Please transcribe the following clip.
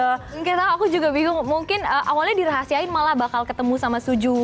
mungkin tahu aku juga bingung mungkin awalnya dirahasiain malah bakal ketemu sama suju